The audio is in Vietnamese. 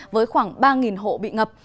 với khoảng ba hộ bị ngập